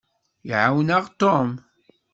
Ɛawneɣ Tom.